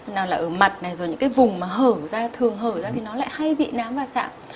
nào là ở mặt này rồi những cái vùng mà thường hở ra thì nó lại hay bị nám và sạm